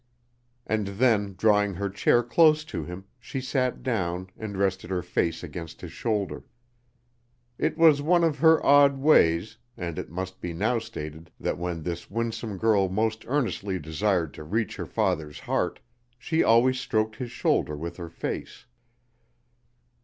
And then, drawing her chair close to him, she sat down and rested her face against his shoulder. It was one of her odd ways, and it must be now stated that when this winsome girl most earnestly desired to reach her father's heart, she always stroked his shoulder with her face.